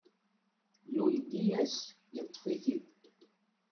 Yundi-as, yeṭṭef-it-id.